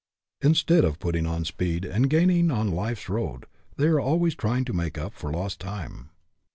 Instead of putting on speed and gaining on life's road, they are al ways trying to make up for lost time.